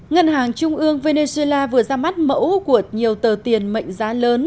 ngân hàng trung ương venezuela vừa ra mắt mẫu của nhiều tờ tiền mệnh giá lớn